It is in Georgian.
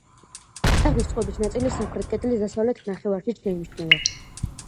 თაღის წყობის ნაწილი სამხრეთ კედლის დასავლეთ ნახევარშიც შეიმჩნევა.